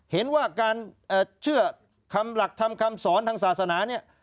เห็นว่าการเชื่อคำหลักทำคำสอนทางศาสนาเนี่ย